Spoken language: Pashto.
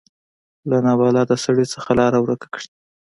له نابلده سړي نه یې لاره ورکه کړي.